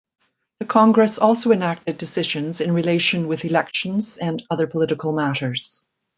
The congress also enacted decisions in relation with elections and other political matters.